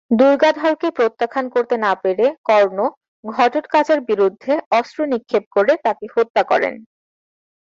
দুর্গাধরকে প্রত্যাখ্যান করতে না পেরে কর্ণ ঘটটকাচার বিরুদ্ধে অস্ত্র নিক্ষেপ করে তাঁকে হত্যা করেন।